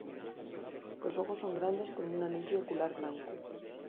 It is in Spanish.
Los ojos son grandes con un anillo ocular blanco.